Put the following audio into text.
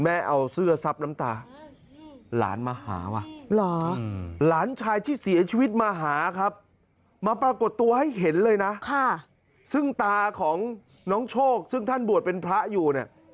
มาปรากฏตัวให้เห็นเลยนะซึ่งตาของน้องโชคซึ่งท่านบวชเป็นพระอยู่